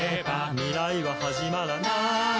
「未来ははじまらない」